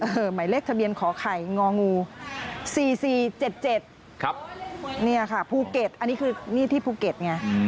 หมายเลขทะเบียนขอไข่ง๔๔๗๗นี่ค่ะภูเกตอันนี้ที่ภูเกตไง